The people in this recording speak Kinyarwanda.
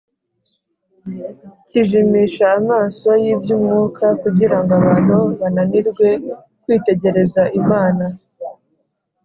kijimisha amaso y’iby’umwuka kugira ngo abantu bananirwe kwitegereza imana